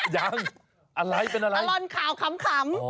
ยังอะไรเป็นอะไร